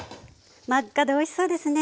真っ赤でおいしそうですね。